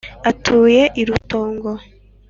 atuye i rutongo.